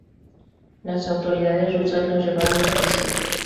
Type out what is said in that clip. Las autoridades rusas los llevaron a juicio.